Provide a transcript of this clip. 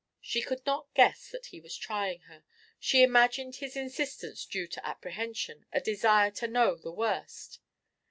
She could not guess that he was trying her; she imagined his insistence due to apprehension, a desire to know the worst.